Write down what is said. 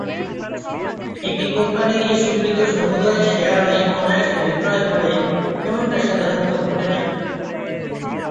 একটি কোম্পানির ইস্যুকৃত সমুদয় শেয়ারই অনায়াসে বিক্রয় হবে এমনটা সাধারণত ঘটে না।